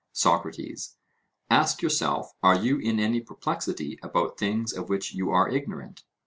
SOCRATES: Ask yourself; are you in any perplexity about things of which you are ignorant?